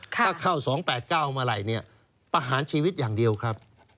ถ้าเข้า๒๘๙เมื่อไหร่เนี่ยประหารชีวิตอย่างเดียวครับ